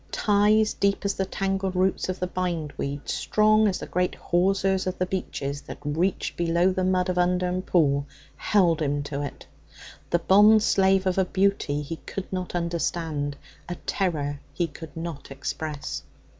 Ties deep as the tangled roots of the bindweed, strong as the great hawsers of the beeches that reached below the mud of Undern Pool, held him to it, the bondslave of a beauty he could not understand, a terror he could not express.